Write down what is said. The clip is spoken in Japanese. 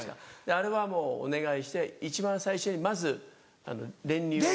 あれはもうお願いして一番最初にまず練乳を。